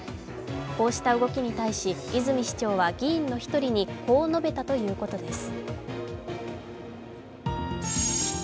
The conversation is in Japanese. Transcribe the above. こうした動きに対し泉市長は議員の一人にこう述べたということです。